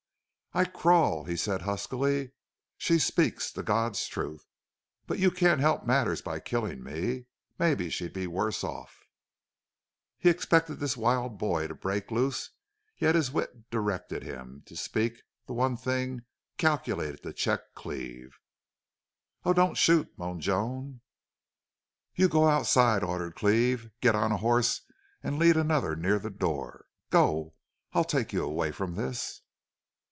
"I CRAWL!" he said, huskily. "She speaks the God's truth.... But you can't help matters by killing me. Maybe she'd be worse off!" He expected this wild boy to break loose, yet his wit directed him to speak the one thing calculated to check Cleve. "Oh, don't shoot!" moaned Joan. "You go outside," ordered Cleve. "Get on a horse and lead another near the door.... Go! I'll take you away from this."